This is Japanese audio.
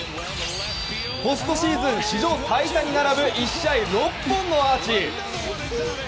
ポストシーズン史上最多に並ぶ１試合６本のアーチ。